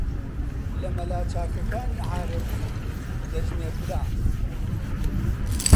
لە مەلا چاکەکانی عارەبی دەژمێردرا